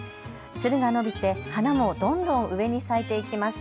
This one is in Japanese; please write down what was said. つるが伸びて花もどんどん上に咲いていきます。